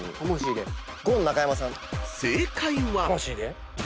［正解は］